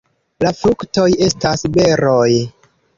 La fruktoj estas beroj.